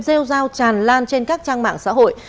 rêu dao tràn lan trên các trang mạng xã hội